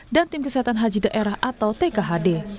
tim kesehatan haji daerah atau tkhd